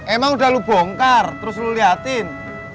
emang udah lu bongkar terus lo liatin